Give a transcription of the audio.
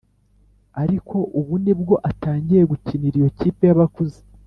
Ariko ubu nibwo atangiye gukinira iyo kipe y’abakuze